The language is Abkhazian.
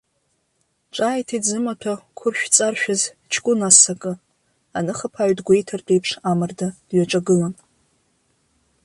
Ҿааиҭит зымаҭәа қәыршәҵаршәыз ҷкәына асакы, аныхаԥааҩ дгәеиҭартә еиԥш амарда дҩаҿагылан.